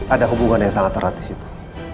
ada hubungan yang sangat erat di situ